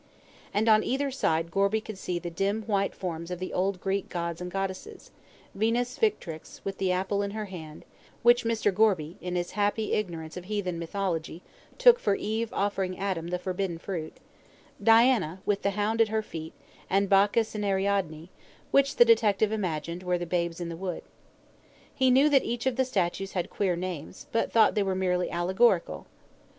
And on either side Gorby could see the dim white forms of the old Greek gods and goddesses Venus Victrix, with the apple in her hand (which Mr. Gorby, in his happy ignorance of heathen mythology, took for Eve offering Adam the forbidden fruit); Diana, with the hound at her feet, and Bacchus and Ariadne (which the detective imagined were the Babes in the Wood). He knew that each of the statues had queer names, but thought they were merely allegorical.